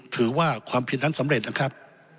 ถือว่าความผิดนั้นสำเร็จนะครับ